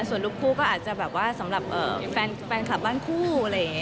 ส่วนลูกคู่ก็อาจจะสำหรับแฟนคลับบ้านคู่